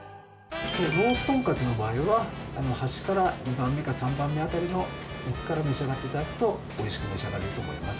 ローストンカツの場合は端から２番目か３番目辺りの肉から召し上がって頂くと美味しく召し上がれると思います。